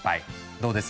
どうです？